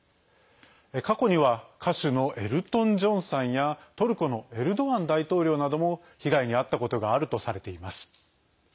過去には歌手のエルトン・ジョンさんやトルコのエルドアン大統領なども被害に遭ったことがあるとされています。